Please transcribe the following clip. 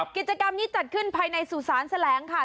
กิจกรรมนี้จัดขึ้นภายในสุสานแสลงค่ะ